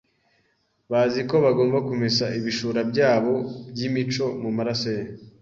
Bazi ko bagomba kumesa ibishura byabo by’imico mu maraso ye